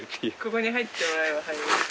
・ここに入ってもらえば。